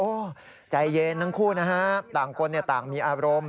ใจเย็นทั้งคู่นะฮะต่างคนต่างมีอารมณ์